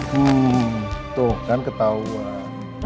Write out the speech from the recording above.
hmm tuh kan ketauan